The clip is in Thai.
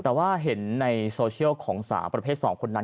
แต่ว่าเห็นในโซเชียลของสาวประเภท๒คนนั้น